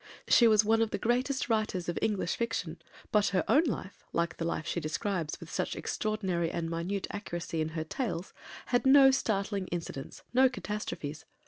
She was one of the greatest writers of English fiction; but her own life, like the life she describes with such extraordinary and minute accuracy in her tales, had no startling incidents, no catastrophes.